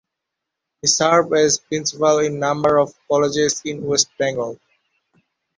He served as Principal in number of colleges in West Bengal.